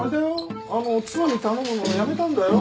あのおつまみ頼むのやめたんだよ。